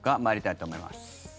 参りたいと思います。